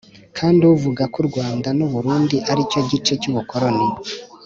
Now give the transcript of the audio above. Kandt avuga ko u Rwanda n u Burundi ari cyo gice cy ubukoroni